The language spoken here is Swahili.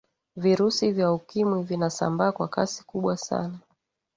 virusi vya ukimwi vinasambaa kwa kasi kubwa sana